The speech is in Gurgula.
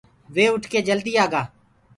وي اُٺ ڪي جلدي آگآ۔